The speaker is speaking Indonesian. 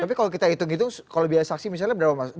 tapi kalau kita hitung hitung kalau biaya saksi misalnya berapa mas